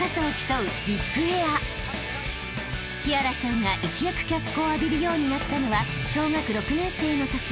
［姫明麗さんが一躍脚光を浴びるようになったのは小学６年生のとき］